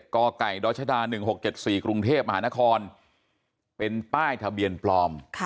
กไก่ดชด๑๖๗๔กรุงเทพมหานครเป็นป้ายทะเบียนปลอม